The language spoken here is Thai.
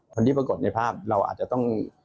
คนที่ปรากฏในภาพเราอาจจะต้อง